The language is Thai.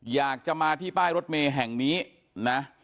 อยากจะมาที่ป้ายรถเมย์แห่งนี้นะ